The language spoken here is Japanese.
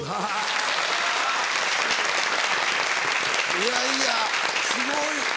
いやいやすごい。